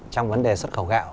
trong vấn đề xuất khẩu gạo